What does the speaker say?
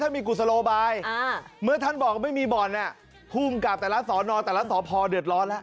มีกุศโลบายเมื่อท่านบอกว่าไม่มีบ่อนภูมิกับแต่ละสอนอแต่ละสพเดือดร้อนแล้ว